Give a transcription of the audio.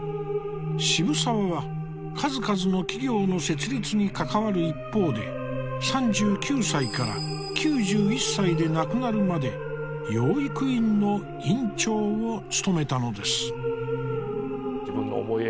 渋沢は数々の企業の設立に関わる一方で３９歳から９１歳で亡くなるまで養育院の院長を務めたのです。